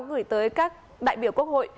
gửi tới các đại biểu quốc hội